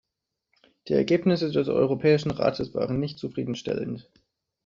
Die Ergebnisse des Europäischen Rates waren nicht zufriedenstellend.